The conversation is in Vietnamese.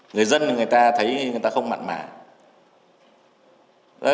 người dân người ta thấy người ta không mặn mà